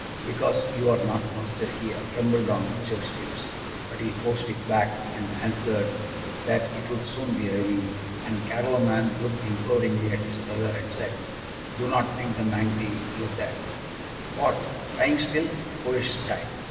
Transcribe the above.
"Because you are not master here," trembled on Richard's lips, but he forced it back, and answered that it would soon be ready, and Carloman looked imploringly at his brother, and said, "Do not make them angry, Lothaire." "What, crying still, foolish child?"